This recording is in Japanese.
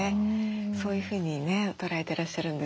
そういうふうにね捉えてらっしゃるんですね。